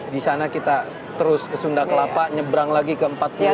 di sana kita terus ke sunda kelapa nyebrang lagi ke empat puluh